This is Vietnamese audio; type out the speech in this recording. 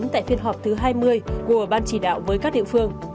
tại phiên họp thứ hai mươi của ban chỉ đạo với các địa phương